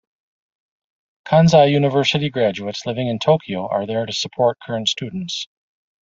Kansai University graduates living in Tokyo are there to support current students.